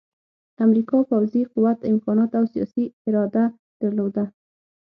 امریکا پوځي قوت، امکانات او سیاسي اراده درلوده